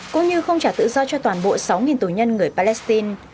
cũng như không trả tự do cho toàn bộ sáu tù nhân người palestine